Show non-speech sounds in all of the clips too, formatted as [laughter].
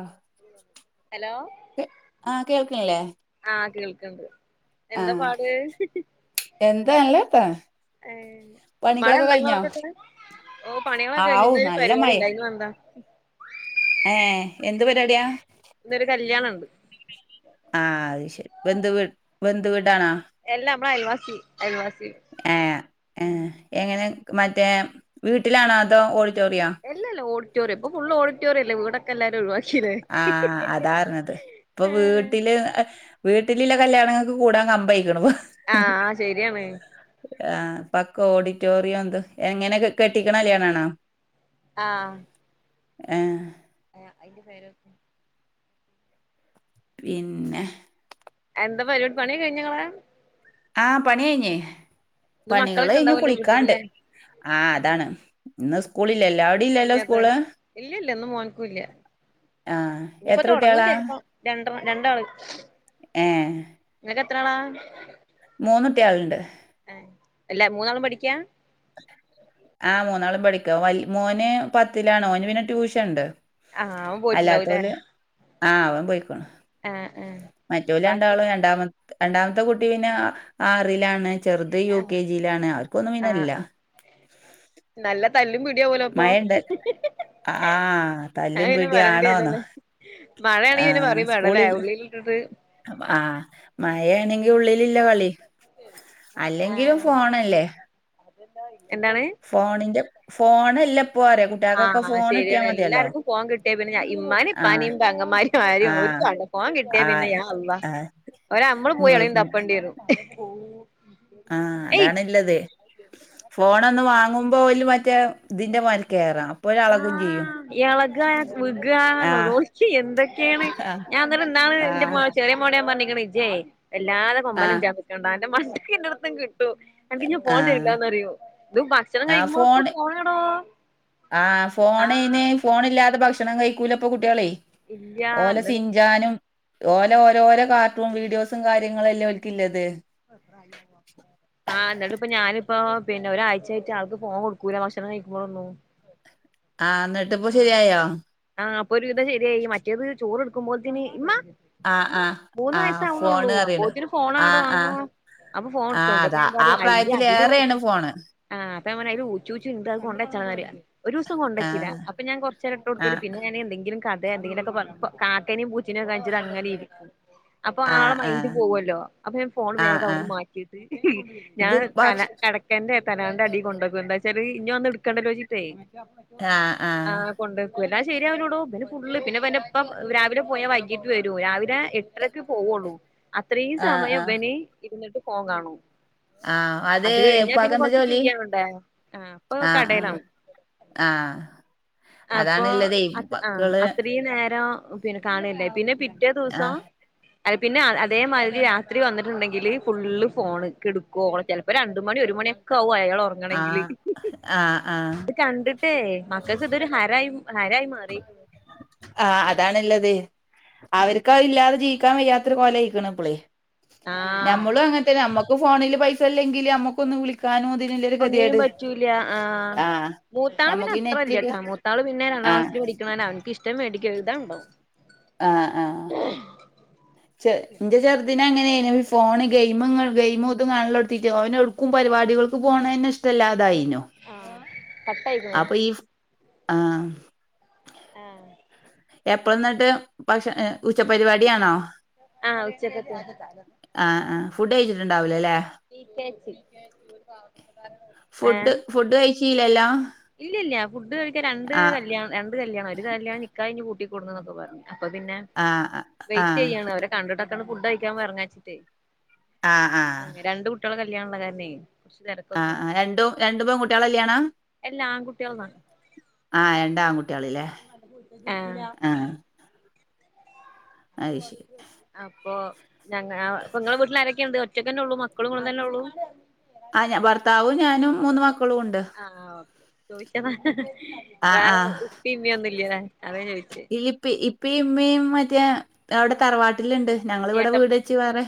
ആ ഹലോ ആഹ കേൾക്കണല്ലേ? ആഹ് കേൾക്കണ്ട് എന്താ പാട്. എന്താ നല്ല വർത്താന ഏഹ് മഴണ്ടെ ങ്ങളട്ക്കക്കേ? ഓ പണികളൊക്കെ കഴിഞ് ആവു ഇന്നരു നല്ല മഴേ പരിപാടിണ്ട് അയിനുവന്നതാ. ഏ എന്ത് പരിപാടിയാ? ഇന്നൊരു കല്യാണണ്ട് ആഹ് അഹ് ശരി ബന്ധ ബന്ധുവീടാണാ? എല്ലാ അമ്മളെ അയൽവാസി അയിവാസി. ഏ ഏഹ് എങ്ങനെ മറ്റേ വീട്ടിലാണോ അതോ ഓഡിറ്റോറിയോ? എല്ലല്ലാ ഓഡിറ്റൊറിയ ഇപ്പ ഫുൾ ഓടിറ്റോറിയല്ല വീടൊക്കെല്ലാരും ഒഴിവാ ആഹ അതാർഞ്ഞത് ഇപ്പൊ വീട്ടില് വീട്ടില്ല്ലകല്യാണങ്ങൾക്ക് കൂടാൻ കമ്പംഴിക്കണ. ആഹ ശരിയാണ് ആ പക്ക ഓഡിറ്റോറിയം എന്ത എങ്ങനെ കെട്ടിക്കണ കല്യാണണോ? ആഹ് ഏ അ അന്റെ പേരൊ പിന്നെ എന്താ പരിപാ പണിയൊക്കെ കയിഞ്ഞങ്ങളെ ആഹ പണികഴിഞ് ഇന്ന് പണികള് മക്കളൊക്കെ കഴിഞ്ഞു ഇണ്ടാവല്ലോ കുളിക്കാണ്ട് വീട്ടിലില്ലേ ആഹ അതാണ്. എന്ന കുളിലെല്ല ന്ന്സ്കുളിലാ ഇല്ലല്ല ഇന്ന് മോൻക്കൂല്ല. ആഹ് ഇനിപ്പോ എത്ര തൊടങ്ങും കുട്ടികളാ ചെൽപ്പ രണ്ട രണ്ടാള് ഏഹ് നിനക്ക് എത്രളാ മൂന്നൂട്ടികളുണ്ട് ആ എല്ല മൂന്നാളും പഠിക്കാ ആഹ മൂന്നാളും പഠിക്ക മോന് പത്തിലാണ് ഓന് പിന്നെ ട്യൂഷൻണ്ട് ആഹ് അവൻ പോയിട്ടുണ്ടാവൂല്ലേ അല്ലാതൊല് ആ ഓൻ പോയിക്കോണു ആഹ് ആഹ് മറ്റൊല് ബാക്കി രണ്ടാളും രണ്ടാമത് രണ്ടാമത്തെ കുട്ടി പിന്നെ ആറിലാണ്. ചെറുത് യു ആഹ് കെ ജി യിലാണ് ആർക്കൊന്നും പിന്നല്ല ആഹ് നല്ല തല്ലും പിടിയാവലോ അപ്പൊ മഴണ്ട് ഹ്ഹ്ഹ് ആഹ് തല്ലും അങ്ങനെ പിടിയും പറണ്ടി ആണോന്നോ തന്നല്ലേ മഴയാണെങ്കി പിന്നെ പറയും വേണല്ലേ ഉള്ളിൽ [unintelligible] ആഹ മഴയാണെങ്കി ഉള്ളിലില്ല കളി അല്ലെങ്കിലും ആഹ് ഫോണല്ലേ? എന്താണ് ഫോണിന്റെ ഫോൺ എല്ലപ്പോറിയ കുട്ടികൾക്കൊക്കെ ആഹ് ശരിയാണ് എല്ലാർക്കും ഫോൺ കിട്ടിയേ പിന്നെ ഞ ഇമ്മാ ആഹ് ഇപ്പാനെയയും പെങ്ങമാര് കാര്യം ഒരു ആഹ് കട പോവാൻ കിട്ടിയാ പിന്നെ ആഹ് ഞ അവാ അവര് നമ്മള് പോയി അളെങ്കും ആഹ് തപ്പേണ്ടി വും [unintelligible] ആ അതാണുള്ളത് ഫോണ ഒന്ന് വാങ്ങും ഇപ്പല മറ്റേ ഇതിന്റെ മൽ കയറാം ആഹ ഇളകാന ആഹ് കുഗാനെന്ന എന്തൊക്കെയാണ് ആഹ് ഞാൻന്നട്ട എന്താണ് എന്റെ ആഹ് മോ ചെ മോട ൻ പറഞ്ഞിക്കണ ഇജയ് എല്ലാതെ കൊമമ്പലം ആഹ് ചതക്കണ്ട അന്റെ മണ്ക്ക എന്റെടത്തും കിട്ടു എനിക്ക് ഞൻ പോൺ ആഹ് തരില്ലന്ന്റിയോ ഇത് ഭക്ഷണം കഴിക്കുമ്പോഴൊക്കെ ഫോണാണോ ആ ഫോണിന് ഫോണ ഇല്ലാത്ത ഭക്ഷണം കഴിക്കൂലപ്പൊ കുട്ടികളെ ഇല്ല ഓലെ ഇന്നട്ട് സിഞ്ചാനും ഓലെ ഓരോരോ കാർട്ടൂണും വീഡിയോസും കാര്യങ്ങളുംല്ലേ ഒലിക്കല്ലത് [unintelligible] ആഹ് എന്നിട്ട് ഇപ്പ ഞാനിപ്പോ പിന്നെ ഒരാഴ്ച ആട്ട് ആൾക്ക് ഫോൺ കൊടുക്കൂല ഭക്ഷണം കഴിക്കുമ്പോഴൊന്നു ആന്ന ആഹ് ആഹ അപ്പൊ ഒരു ഇത ശരിയായി മറ്റേത് ചോറ്ടുക്കുമ്പോത്തന് ഇമ്മ ആ ഇമ്മ ആ മൂന്ന് ആ വയസാവള്ളൂ ഫോണ് അറിയണ് അപ്പൊതേനു ആ ഫോണാടോ ആ ആഹ് അപ്പൊ ഫോൺ ആ എടുത്തോണ്ട് അതാ ആ പറയാ അ അതില് പ്രായത്തിലേറെയാണ് യ ഫോണ്. ആഹ് അപ്പ അങ്ങന ഉചൂച്ചി ഉണ്ട് കൊണ്ടെച്ചായ ഒരു ദിവസം കൊണ്ട ആ വച്ചില്ല അപ്പൊ ഞാൻ കോരചേരം ഇട്ടു ആ കൊടുത്ത പിന്ന ഞൻ എന്തെലും കഥയ എന്തെങ്കിലൊക്കെ പറ കാക്കേനയും പൂച്ചനെയക്കെ കഴിച്ചിട്ട അങ്ങനെ ഇരിക്കും അപ്പൊ ആ ആളെ ആ മൈന്ഡ് പോവല്ലോ അപ്പൊ ഞാൻ ഫോണ് ആ വേഗം ആ അവിടുന്ന് മാറ്റിയിട്ട് ഞാൻ ഇത് ഭക്ഷ തല കടക്കാൻന്റെ തലാന്റെ അടി കൊണ്ടോും എന്താ വച്ചാല് ഇനി ഒന്ന് എടുക്കേണ്ടോചിച്ചിട്ടേ ആ ആ കൊണ്ടക്കും എല്ലാം ശരിയാവുലൊടോ പിന്നെ ഫുള് പിന്നെ പിന്നെ പ്പം രാവിലെ പോയാൽ വൈകിട്ട് വരൂ രാവിലെ എ രാക്ക് പൊവുള്ളൂ അത്രയും ആ സമയം ആ ഇവന് ഇരുന്നിട്ട് ഫോൺ കാണും ആ അത് കഴിഞ്ഞാ പിന്നെ ഉപ്പാക്കെന്താ കൊറച്ച് ജോലി? ഫ്രീയാവണ്ടേ ആപ്പൊ കടലാണു ആഹ് അപ്പൊ ആത് ആഹ് അത്രയും നേരം പിന്നെ കാണല്ലേ പിന്നെ പിറ്റേ ആ ദിസോം അത് പിന്നെ അതെ അതേമാരി രാത്രി വന്നിട്ടുണ്ടെങ്കിൽ ഫുള് ഫോണ്ക്കെടുക്കുവോ ഓൻ ചെല പ്പ രണ്ട് മണി ഒരു മണിയൊക്കാവും അയാൾ ആ ഒറങ്ങണെങ്കില് ആ ആ അത് കണ്ട് ഏയ് മക്കക്ക് ഇതൊരു ഹരായി ഹരായി മാറി ആഹ് അതാണുള്ളത് അവർക്കാ ഇല്ലാതെ ജീവിക്കാൻ വയ്യാത്തോരു കൊലയിക്കണ് ഇപ്പളേ ആഹ് നമ്മളും അങ്ങനത്തെന്നെ നമ്മുക്ക് ഫോണിൽ പൈസല്ലെങ്കില് നമ്മുക്കൊന്ന് വിളി ക്കാനും ആതില്ലില്ലോരു ഒന്നിനും ഗതിഗെട് പറ്റൂല ആഹ് നമ്മുക്ക് നെറ്റ്‌ക്ക്‌ ഇനാൾ പിന്നെ രണ്ടാംക്ലാസ്സിൽ പഠിക്കണന്നാ അവന്ക്ക് ഇഷ്ടം മേടിക്കഴുതാൻ ഉണ്ടാവും ആഹ് ആഹ് ചെ എന്റെ ചെറുദിനെ അങ്ങനെരുന്നു ഫോണ് ഗെയിമിങ് ഗെയിമും ഇത്തുംആലോക്കിറ്റ്‌ ഓന് ക്കും പരിപാടികൾക്ക് പോണേന്നെ ഇഷ്ടല്ലാതായിനോ ആഹ് കട്ടായിക്കണ് ആപ്പ ഈ ആഹ് ആഹ് എപ്പ എന്നിട്ട് പക്ഷേ ഏഹ് ഉച്ചപരിപാടി ആണോ ആഹ് ഉച്ചക്കത്തെ ആഹ് ആഹ് ഫുഡ്ഴിച്ചിട്ടുണ്ടാവിലല്ലേ റ്റിക്കെച്ചി റ്റിക്കെച്ചി ഒരു പാവപ്പെട്ടകാരനാണ് ഫുഡ് ഏഹ് ഫുഡ് കഴിച്ചില്ലല്ലോ ഇല്ലില്ല്യ ഫുഡ് കഴിക്കാ രണ്ട് കല്യാണം രണ്ട് കല്യാണം ഒരു കല്യാണി നിക്കാഹ്ഞ്ഞു കൂട്ടി കൊടുന്നുന്നോക്കെ പർഞ്ഞ് അപ്പൊ പിന്നെ ആഹ് ആഹ് വൈറ്റയ്യാണ് അവര് കണ്ടിട്ടൊക്കെന്ന് ഫുഡ് കഴിക്കാൻ പറഞയിചിട്ടേയ് ആഹ് രണ്ട് കുട്ടികളെ കല്യാണ ഉള്ള കാരനേ ആഹ് ആഹ് രണ്ടു രണ്ടു പെൺകുട്ട്യാളെ കല്യാണാ എല്ലാ ആൺകുട്ടികളാ ആഹ് രണ്ടാ ആൺകുട്ട്യാളില്ലേ ആഹ് അത് ഓഹ് ശരി അട്ത്ത് വന്നേ അപ്പൊ ഞങ്ങ ആഹ് ഇപ്പങ്ങളെ വീട്ടിൽ ആരൊക്കെയുണ്ട് ഒറ്റക്കന്നെഉള്ളൂ മക്കളും ഇങ്ങളുംതന്നെ ഉള്ളു ആഞ ഭർത്താവും ഞാനും മൂന്ന് മക്കളും ഉണ്ട് ആഹ് ആഹ് ഓക്കെ ചോയിച്ചതാ ആഹ് വേറേ ആഹ് ഇപ്പിം ഇമ്മിംയൊന്നില്ല്യെന്നാ അത ചോയിച്ചേ ഇപ്പി ഇപ്പിഉമ്മയും മറ്റേ അവിടെ തറവാട്ടിലിണ്ട് ഞങ്ങളിവിടെ ഏട്ടൻ വീട് വച്ച് വേറേ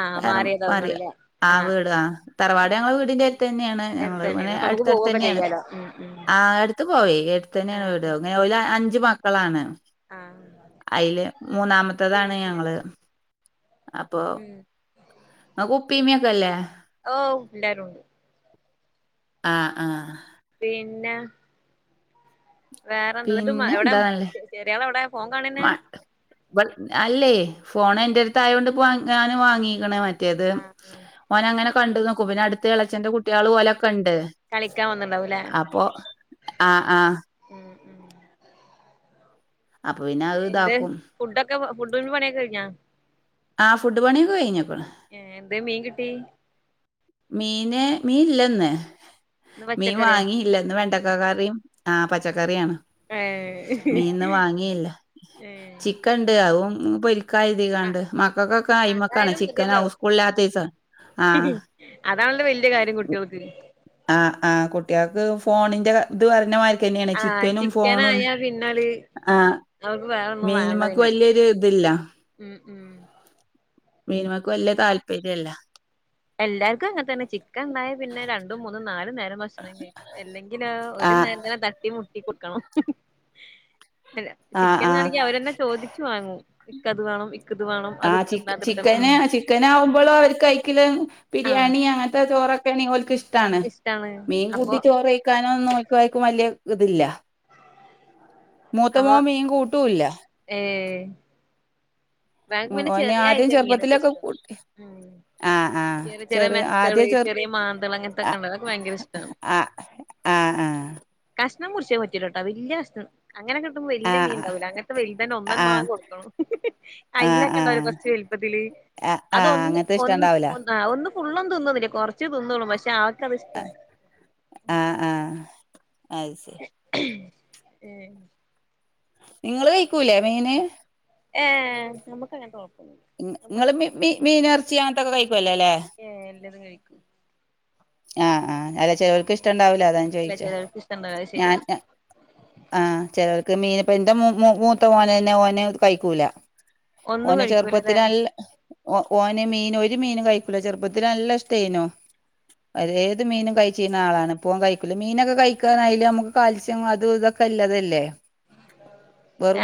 ആഹ് വേറെ മാറിയതാവും മാറിയ നിങ്ങളില്ലേ ആഹ് വീട് ആഹ് ആഹ് തറവാട് ഞങ്ങള് വീടിന്റെ എടുത്തന്നെയാണ് അടുത്ത് ഞങ്ങള് ഇങ്ങനെ തന്നെയാണ് അപ്പൊ അടു നമുക്ക് പോവൊക്കെ ത്തടുത്തന്നെആണ് ചെയ്യാലോ ഉം ഉം ആടുത്ത് പോയി എടുതന്നെയാണ് ആഹ് വിട് ആഹ് ഇങ്ങനെ ഒരു അഞ്ച് മാ മക്കളാണ് ആഹ് അയില് മൂന്നാമത്തേതാണ് പിന്നെ ഞങ്ങള് അപ്പൊ ഉം ആഉപ്പിമ്മിക്കല്ലേ ഓഹ് എല്ലാരുണ്ട് ആഹ് ആഹ് പിന്നെ വേറെന്തെന്നിട്ടും എവിടെ ചെ ചെറ ചെറിയളെവിടെ മട്ട് ഇവൾ അല്ലേ ഫോൺ എന്റെ അടുത്തായൊണ്ട്പ്പം വാ ഞാൻ വാങ്ങിക്ക്ണ് മറ്റേത് ആഹ് ആഹ് ഓനങ്ങനെ കണ്ട് നോക്കും പിന്നെ അടുത്ത് ഇളച്ചന്റെ കുട്ട്യാള് ഒലകെണ്ട് കളിക്കാൻ വന്നിണ്ടാവൂല്ലേ അപ്പൊ ആഹ് ആഹ് ഉം ഉം അപ്പൊ പിന്നെ അത് എന്ത് ഇതാക്കും ഫുഡൊക്കെ ഫുഡിന്റെ പണിയൊകെ കഴിഞ്ഞ? ആ ഫുഡ്പണിയൊക്കെഴിഞ്ഞ്ക്ക് ണ് ഏ എന്തേ മീൻ കിട്ടി? മീന് മീൻ ഇല്ലെന്ന് ഇന്ന് മീൻ പച്ചക്കറിയാ വാങ്ങിയില്ലന്ന് വെണ്ടക്ക കറിം ആ പച്ചക്കറിയാണ് ഏഹ് മീനിന്ന് വാങ്ങിയില്ല ഏഹ് ക്കെ ഉണ്ട് അവും ക്കാ ആഹ് രുതികാണ്ട് മക്കൾക്കൊക്കെ യിമക്കാണ് അതായാലും ചിക്കനാ മതിയല്ലോ ഉസ്കൂൾ ല്ലാത്തസം ആ അതാണല്ലോവല്ല്യകാര്യം കുട്ട്യോൾക്ക്. അ ആ കുട്ട്യാൾക്ക് ഫോണിന്റെ ഇത് പറഞ്ഞമായ്‌രി ക്കെന്നെണ് ആഹ് ചിക്കനും ചിക്കൻ ഫോണും ആയാ പിന്നത് ആ [unintelligible] മീന്‌മ്മക്ക് പിന്നെ വല്യയൊരു ഇതില്ല ഉം ഉം മീനമക്ക് വല്യ താല്പര്യല്ല എല്ലാർക്കുംങ്ങൻ തന്നെ ചിക്കൻ ഉണ്ടായാ പിന്നെ രണ്ടും മൂന്നും നാലും നേരം ഭക്ഷണം കയ് എല്ലെങ്കിലൊ ഒരു ആഹ് [unintelligible] മുട്ടി മുട്ടി കൊടുക്കണം ഹ് ഹ് ആഹ് ചിക്കനാണെങ്കില് അവരെന്നെ ആഹ് ചോദി ച്ച് വാങ്ങൂ ഇക്കത് വേണം ഇക്കത് വേണം അതെടുതൊണ്ട അതെടുത്ത ക്കാനാവുമ്പള് അവര് കഴിക്കല് ആഹ് ബിരിയാണി അങ്ങൻത്തെ ചോറൊക്കെണ്ഓൽക്ക്ഷ് ട്ടാണ് ഇഷ്ടാണ് മീൻ അപ്പൊ കൂട്ടി ചോറ്ഴിക്കാനോന്നും ഓൽക്കാർക്കും വല്യരുതില്ല മൂത്തമോ മീൻ കൂട്ടുല്ല ഏ ഉ ഓനാദ്യം ഐറ്റം മീനൊക്കെ ചെറുപ്പത്തിലൊക്കെ ഇഷ്ട കൂട്ടി ഉം ആ ചെറിയ ചെറിയ മെത്തള് ചെറിയ മാന്തള് അങ്ങനത്തൊക്കെ ഉണ്ട് അതൊക്കെ ഭയങ്കര ഇഷ്ടാണ് ആ [unintelligible] കഷ്ണം മുറിച്ചേ പറ്റൂലട്ടോ വല്യ കഷ്ണം അങ്ങനൊ ആ ആ വലിയ മീൻണ്ടാവൂലെ അങ്ങനത്തെ വലുതന്നെ ഒന്നനെ ആ മാങ്ങി കൊടുക്കണം ഹ് ഹ് ഹ് അയിലക്കെണ്ടാവൂലെ ആ കൊറച്ച് മലുപ്പത്തില് ആ ആ അതൊന്ന് അങ്ങനത്തെ ഒന്ന് ഇഷ്ടണ്ടാവൂല ആഹ് ഒന്ന് ഫുള്ളൊ തിന്നുന്നില്ലേ കൊറച്ച് തിന്നള്ളൂപക്ഷെ ആൾക്ക്ത്ഷ്ടാ ആഹ് ആഹ അത്ശരി- [unintelligible] നിങ്ങള് കഴിക്കൂലെ മീന്? ഏ നമുക്ക് അങ്ങനെ കൊഴപ്പന്നുല്ല നിങ്ങള് മി മി മീൻ ഇറച്ചി അങ്ങനത്തൊക്കെ കഴിക്കുവല്ലോ അല്ലേ ഏ എല്ലാതും കഴിക്കും. ആഹ് ആഹ് അല്ല ചെ ലേർക്ക് ഇഷ്ടുണ്ടാവൂല അത് ഞാൻ അല്ല ചോദിച്ചേ ചെലോർക്ക് ഇഷ്ടണ്ടാവൂല അത് ഞാൻ ശരിയാ ആഹ് ചിലർക്ക് മീൻ ഇപ്പ എന്റെ മൂ മൂ മൂത്ത മോനന്നെ ഓനെ കഴിക്കൂല ഒന്നും ഓന് കഴിക്കൂലല്ലേ ചെറുപ്പത്തില് ല്ല ഓ ഓന് മീൻ ഒരു മീൻ കഴിക്കൂല ചെറുപ്പത്തില് ല്ല ഇഷ്ട്ടെയ്നു. ഏത് മീനും കഴിച്ചീ ന്ന ആളാണ് ഇപ്പോ ഓൻ കഴിക്കൂല മീനൊക്കെ കഴിക്കാനായല് നമുക്ക് കാൽത്സ്യം അതുംഇതൊക്കെല്ലതല്ലേ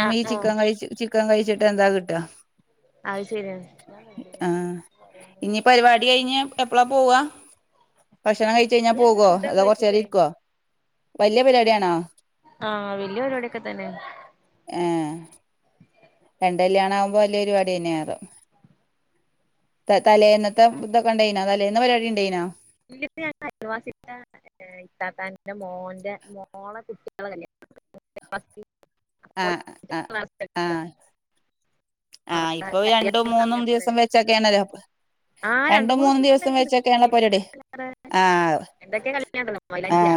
ആ ആ ചിക്കൻ കഴിച്ച ചിക്കൻ കഴിച്ചിട്ട് എന്താ കിട്ടാ അത് ശെരിആണ് ആഹ ഇഞ്ഞി പരിപാടി കഴിഞ്ഞ് എപ്പളാ പോവാ ഭക്ഷണം കഴിച്ച് കഴിഞ്ഞാ ഞങ്ങ പോകോ അതോ കൊർച്ചേരം ഇരിക്കോ? വല്യ പരിപാടിയാണോ ആഹ വലിയ പരിപാടിക്കെ തന്നെണ്. ഏ രണ്ട്ല്യാണആവുമ്പോ വല്യരുവാടി തന്നെയാരം. ത ആ തലേന്നത്തെതൊക്കെണ്ടേയ്നോ തലേന്ന് പരിപാടിണ്ടേയ്നോ?. [unintelligible] എന്റെ ഇത്താത്തൻന്റെ മോന്റെ മോളെ കുട്ടാളെ കല്യണ ആഹ് [unintelligible] ആഹ ഇപ്പൊ രണ്ടും മൂന്നും ദിവസം വെച്ചൊക്കെയ ആണല്ലോ ആഹ് രണ്ട് രണ്ടും മൂന്ന് മൂന്നും ദിവസൊക്കെ ദിവസം വെച്ചൊക്കെയ ഉണ്ടായിട്ടുണ്ട് ആണ പരിപടി ആഹ എന്തൊക്കെ കല്യാണണ്ടല്ലോ മൈലാഞ്ചിയ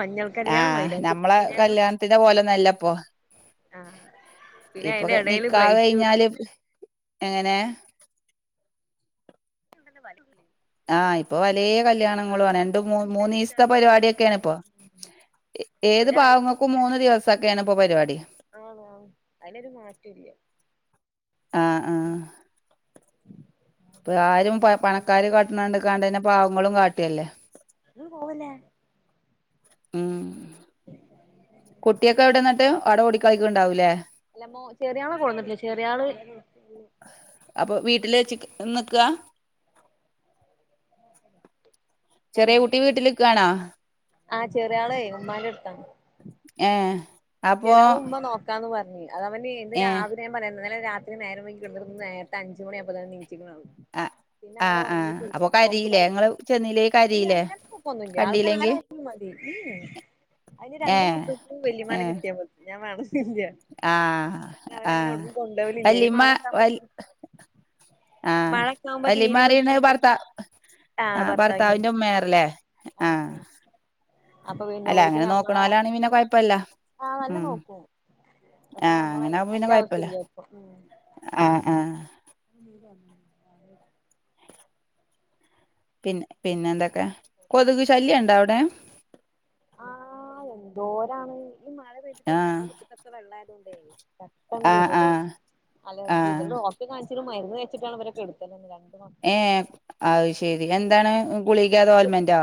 മഞ്ഞൾ കല്യാണം മൈലാഞ്ചി കല്യാണം പണ്ടെത്തെ പോലെന്നല്ലപ്പൊ ആഹ് പിന്നെ ഇപ്പൊ അതിന്റെ ഇടയിൽ നിക്കാഹ് ബ്രൈറ്റ് കഴിഞ്ഞാല് എങ്ങനെ [unintelligible] ആഹ് ഇപ്പൊ പലേ കല്യാണങ്ങളാണ് രണ്ടു മൂ ഉണ്ടായിരുന്നു മൂന്നീസത്തെ പരിപാടി സ്റ്റാറ്റസുകള് ഒക്കെയാണ് ആാണിപ്പൊ ഏത് ഒരാഴ്ച പാവങ്ങൾക്കും മൂന്ന് ദിവസൊക്കെയാണ് ഇപ്പോ പരിപാടി ആണോ അതിലൊരു മാറ്റം ഇല്ല ആഹ് ആഹാ ഇപ്പ ആരും പണക്കാര് കാട്ടണണ്ട് കണ്ടന്നെ പാവങ്ങളും കാട്ടെല്ലേ അത് പോലേ ഉം കുട്ടിയൊക്കെ എവിടെന്നിട്ട് അവിടെ ഓടിക്കളക്കണ്ടാവൂലേ? അല്ലമ്മോ ചെറിയാളെ കൊടുന്നട്ടില്ല ചെറിയാൾ അപ്പൊ വീട്ടില് വെച്ച ഇന്ന് നിക്കാ ചെറിയ കുട്ടി വീട്ടിലിക്കാണോ? ആഹ ചെറിയ ആളേ ഉമ്മാന്റെ അടുത്താണ്. ഏഹ് ചെറിയ ആളെ ഉമ്മ നോക്കാന്ന് പറഞ്ഞ് അത് അവന് ഇന്ന് ഏ രാവിലെ ഞാൻ പറയുന്നത് ഇന്നലെ രാത്രി നേര വൈകി കിടന്നിട്ട് നേരത്തെ അഞ്ച മണിയപ്പോ തന്ന നീച്ചക്കണ് ആഹ് ആഹ് ആഹ് അപ്പൊ കരിയില്ലേ ങ്ങള് ചെന്നില്ലേ അല്ല കരിയില്ലേ അങ്ങനത്തെ കുഴപ്പൊന്നുല്ല ആൾക്ക് ആരെ കണ്ടില്ലെങ്കിൽ മതി ഉം ഉം അതിന് ഏ രണ്ടു മക്കക്കും വല്യയമ്മാനെ കിട്ടിയാമതി ഞാൻ വേണോന്നില്ല. ആഹ് ആഹ് കൊണ്ടോവലില്ലേ ഈ വലിമ്മ വ മഴക്കാവുമ്പോ ആഹ് മഴക്കാവുമ്പോ തീരിം വല്ലിമ്മപറിയണ പറ്റൂല്ല ഭർത്താവ് ആഹ് ഭർത്താവിന്റെ ഉമ്മയാറല്ലേ ആഹ് അപ്പൊ പിന്നെ ഓരിയ്ക്ക് ഞമ്മളെ നോക്കണോലാണെ പിന്നെ കൊഴപ്പല്ല ആഹ് നല്ലം ഉം നോക്കും അപ്പ ആ ഞമ്മൾ അതിന്റെ ആവശ്യംല്ല ഇപ്പൊ ഉം ആഹ് ആഹ് [unintelligible] പിന്നെ പിന്നെ എന്തൊക്കെ കൊതുക് ശല്യ ഉണ്ടോ അവിടെ ആഹ് എന്തോരാണ് ഈ മഴെ പെയിതിട്ടെ ആ ഞങ്ങളെ മുറ്റത്തൊക്കേ വെള്ളയതോണ്ടെ പെട്ടന്ന് ആ ആ വരെടോ അലർജി ആ ഇന്നലെ ഡോക്ടറെ കാണിച്ചിട്ടും മരുന്ന് വെച്ചിട്ടാണ് ഇവരെ കെടുത്തി രണ്ട്സം [unintelligible] ഏ അത് ശെരി എന്താണ് ഗുളിഗേ അതോ മേത്ത് ഓയിൽമെന്റോ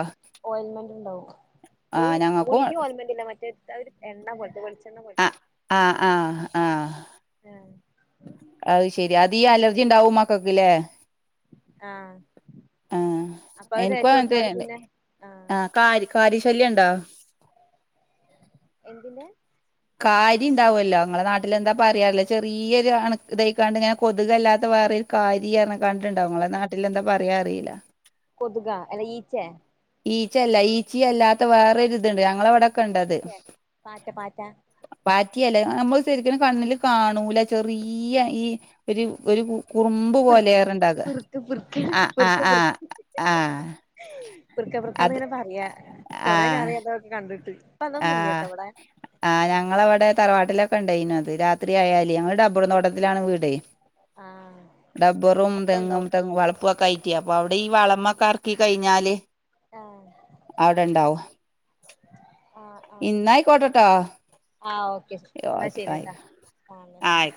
ഈ ഗുളിഗേ ഓയിൽമെന്റ്ല്ല മറ്റേ ഒരു എണ്ണ പോലത്തെ വെളിച്ചെണ്ണ പോലത്തെ ആഹ് ആഹ് ആഹ് ആഹ [inaudible] അത് ശെരി അത് ഈ അലർജി ഇണ്ടാവും മക്കക്കില്ലേ ആഹ് ആഹ് അപ്പൊ അത് എനിക്കും തേച്ച് അങ്ങനതെ കൊടുത്താല് പിന്നെ ആഹ് ആ കാരി കാരി ശല്യ ഉണ്ടോ എന്തിന്റെ കാരി ഇണ്ടാവുല്ലോ ഇങ്ങളെ നാട്ടിലെന്താ പറയാറില്ല ചെറിയൊരു അണു ഇതായി കാണ്ട് ഇങ്ങനെ കൊതുകല്ലാത്ത വേറോരു കാരി പറഞ്ഞിങ്ങാണ്ട് ഇണ്ടാവും ഇങ്ങളെ നാട്ടിലെന്താ പറയാൻ അറിയില്ല കൊതുക അല്ലാ ഈച്ചേ ഈച്ച അല്ല ഈച്ചി അല്ലാത്ത വേറെരിത്ണ്ട് ഞങ്ങളവിടെ പാറ്റേ പാറ്റ പാറ്റ പാറ്റിയല്ല നമ്മള് ശരിക്കനും കണ്ണില് കാണൂല ചെറിയ ഈ ഒരു ഒരു കുറുമ്പ് പിറുക്ക പോലെയറ്ണ്ടാക പിറുക്ക് പിറുക്ക് ആഹ് ആഹ് ആഹ് ആഹ് വ്ർക്ക വ്ർക്കാന്ന് ഇങ്ങനെ പറയാ കൊറെ കാലായി അതൊക്കെ കണ്ടിട്ട് ആഹ് അതൊന്നുല്ല്യട്ടോ ഇവിടെ ആഹ് ഞങ്ങളവിടെ തറവാട്ടിലൊക്കെ ഉണ്ടായിന് അത് രാത്രിയാല് ഞങ്ങള് ടബർ തോട്ടത്തിലാണേ വീട് ആഹ് ടബ്ബറും തെങ്ങും അപ്പണ്ടാവും തെങ് വളപ്പൊക്കായിട്ട് ഇ അപ്പൊ അവിടെ ഈ വളമ്മക്കർക്കി കഴിഞ്ഞാല് ആഹ് അവിടെണ്ടാവും ആഹ് ആഹ് ന്നായികോട്ടെട്ടോ ആഹ് ഓക്കെ എന്നാ ശെരിട്ടാ ആഹ് എന്നാ ശെരി ആയി